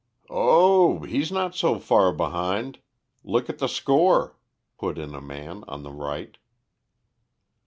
"Oh, he's not so far behind. Look at the score," put in a man on the right.